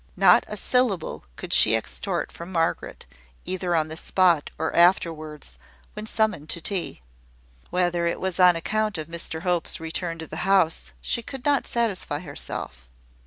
Not a syllable could she extort from Margaret, either on the spot or afterwards, when summoned to tea. Whether it was on account of Mr Hope's return to the house, she could not satisfy herself.